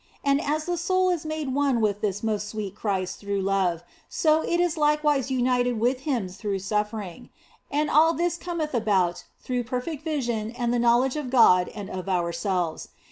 And as the soul is made one with this most sweet Christ through love, so is it likewise united with Him through suffering ; and all this cometh about through perfect vision and the knowledge of God and of ourselves.